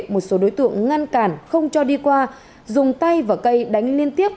một số đối tượng ngăn cản không cho đi qua dùng tay và cây đánh liên tiếp